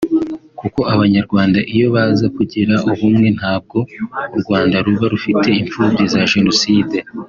kuko Abanyarwanda iyo baza kugira ubumwe ntabwo u Rwanda ruba rufite imfubyi za jenoside